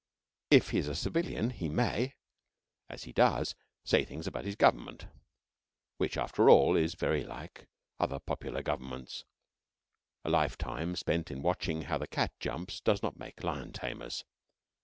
If he is a civilian he may as he does say things about his Government, which, after all, is very like other popular governments. (A lifetime spent in watching how the cat jumps does not make lion tamers.)